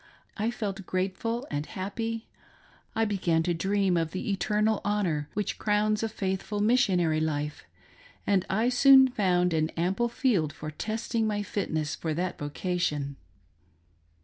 I felt grateful and happy — I began to dream of the eternal honor which crowns a faithful missionary life ; and I soon found an ample field for testing, my fitness for that vocation.